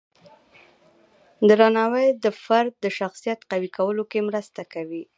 درناوی د فرد د شخصیت قوی کولو کې مرسته کوي.